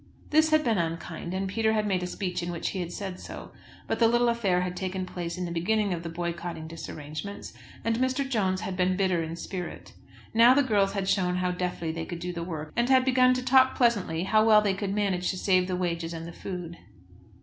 This had been unkind, and Peter had made a speech in which he had said so. But the little affair had taken place in the beginning of the boycotting disarrangements, and Mr. Jones had been bitter in spirit. Now the girls had shown how deftly they could do the work, and had begun to talk pleasantly how well they could manage to save the wages and the food.